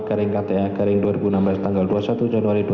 garing kta garing dua ribu enam belas tanggal dua puluh satu januari dua ribu dua